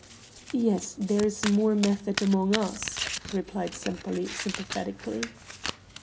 "Yes, there is more method among us," replied Sempaly sympathetically.